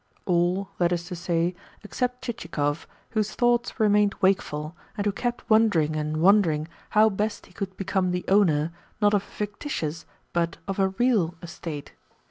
All, that is to say, except Chichikov, whose thoughts remained wakeful, and who kept wondering and wondering how best he could become the owner, not of a fictitious, but of a real, estate.